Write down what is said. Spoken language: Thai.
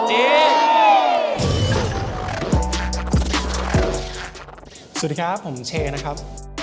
สวัสดีครับผมเชนะครับ